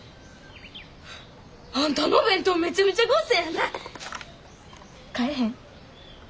あんたの弁当めちゃめちゃ豪勢やな。かえへん？